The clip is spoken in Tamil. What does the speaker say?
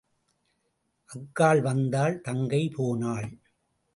அக்காள் வந்தாள் தங்கை போனாள்.